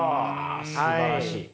あすばらしい。